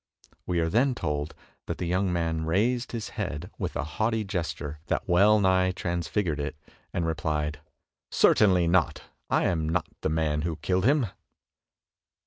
We are then told that the yoimg man raised his head with a haughty gesture that well nigh transfigured it, and replied: "Certainly not; as I am not the man who killed him!"